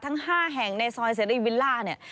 ทั้ง๕แห่งในซอยเสรีวิลล่าเนี่ย